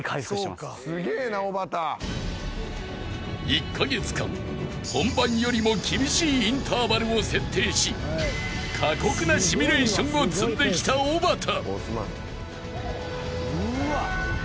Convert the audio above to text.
［１カ月間本番よりも厳しいインターバルを設定し過酷なシミュレーションを積んできたおばた］